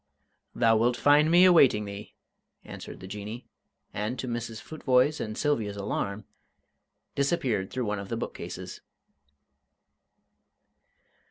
"Thou wilt find me awaiting thee," answered the Jinnee, and, to Mrs. Futvoye's and Sylvia's alarm, disappeared through one of the bookcases.